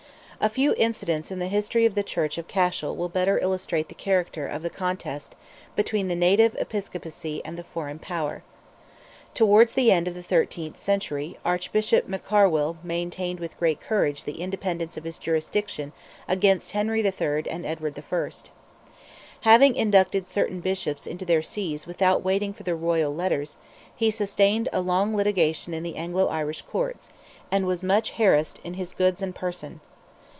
A few incidents in the history of the Church of Cashel will better illustrate the character of the contest between the native episcopacy and the foreign power. Towards the end of the thirteenth century, Archbishop McCarwill maintained with great courage the independence of his jurisdiction against Henry III. and Edward I. Having inducted certain Bishops into their sees without waiting for the royal letters, he sustained a long litigation in the Anglo Irish courts, and was much harassed in his goods and person.